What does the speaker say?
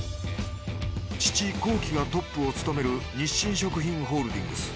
父宏基がトップを務める日清食品ホールディングス。